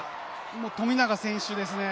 もう富永選手ですね。